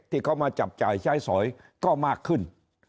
ที่เขามาจับจ่ายใช้สอยก็มากขึ้น